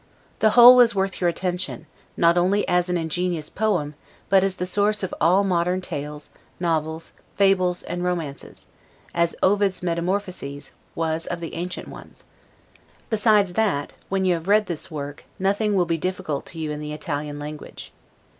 The whole is worth your attention, not only as an ingenious poem, but as the source of all modern tales, novels, fables, and romances; as Ovid's "Metamorphoses;" was of the ancient ones; besides, that when you have read this work, nothing will be difficult to you in the Italian language.